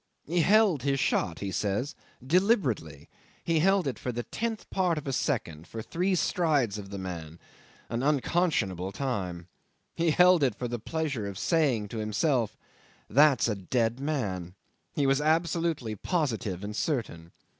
He held his shot, he says, deliberately. He held it for the tenth part of a second, for three strides of the man an unconscionable time. He held it for the pleasure of saying to himself, That's a dead man! He was absolutely positive and certain.